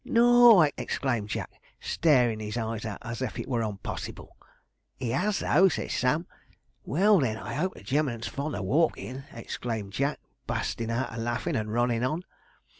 '"N O O R!" exclaimed Jack, starin' 'is eyes out, as if it were unpossible. '"He 'as though," said Sam. '"Well, then, I 'ope the gemman's fond o' walkin'," exclaimed Jack, bustin' out a laughin' and runnin' on.